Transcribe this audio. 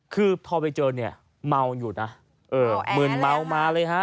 คือพอไปเจอเนี่ยเมาอยู่นะมึนเมามาเลยฮะ